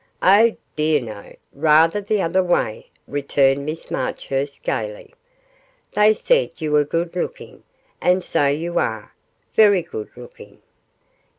'Oh dear, no: rather the other way,' returned Miss Marchurst, gaily. 'They said you were good looking and so you are, very good looking.